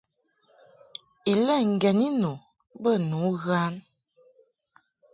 Ilɛ ŋgeni nu bə nu ghan.